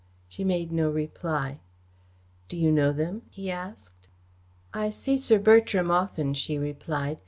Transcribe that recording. She made no reply. "Do you know them?" he asked. "I see Sir Bertram often," she replied.